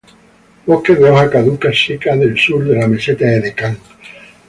Bosques de hoja caduca seca del sur de la meseta de Deccan